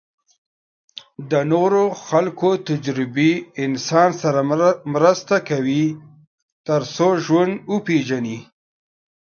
د نورو خلکو تجربې انسان سره مرسته کوي تر څو ژوند وپېژني.